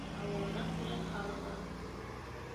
Ауылына күрә халығы.